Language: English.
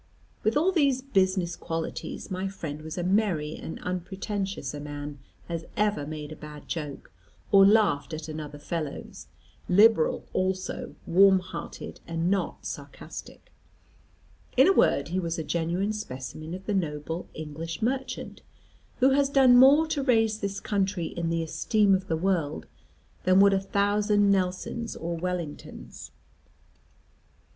With all these business qualities, my friend was as merry and unpretentious a man as ever made a bad joke, or laughed at another fellow's; liberal also, warm hearted, and not sarcastic. In a word, he was a genuine specimen of the noble English merchant, who has done more to raise this country in the esteem of the world than would a thousand Nelsons or Wellingtons.